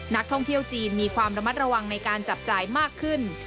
นักท่องเที่ยวจีนมีความระมัดระวังในการจับจ่ายมากขึ้น